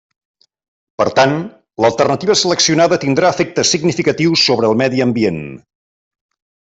Per tant, l'alternativa seleccionada tindrà efectes significatius sobre el medi ambient.